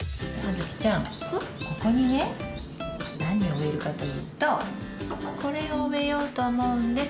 ここにね何を植えるかというとこれを植えようと思うんです。